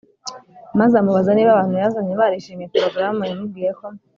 maze amubaza niba abantu yazanye barishimiye porogaramu yamubwiyeko